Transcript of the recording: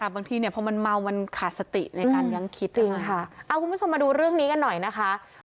บางทีพอมันเมามันขาดสติในการยังคิดเองค่ะเอาคุณผู้ชมมาดูเรื่องนี้กันหน่อยนะคะ